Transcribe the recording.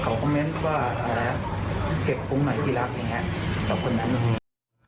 เขาคอมเม้นต์ว่าเก็บภูมิหน่อยพี่รักอย่างนี้